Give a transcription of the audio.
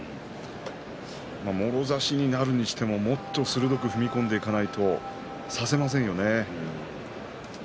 もろ差しになるにしてももっと鋭く踏み込んでいかないと差せませんよね。